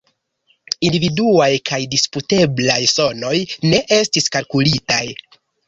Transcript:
Individuaj kaj disputeblaj sonoj ne estis kalkulitaj.